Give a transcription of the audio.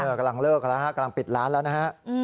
กำลังเลิกกันแล้วฮะกำลังปิดร้านแล้วนะฮะ